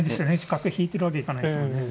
角引いてるわけいかないですもんね。